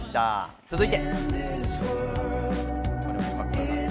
続いて。